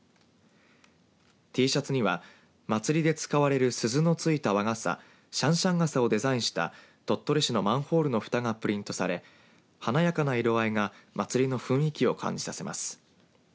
Ｔシャツには祭りで使われる鈴の付いた和傘しゃんしゃん傘をデザインした鳥取市のマンホールのふたがプリントされ華やかな色合いが祭りの雰囲気を感じさせます。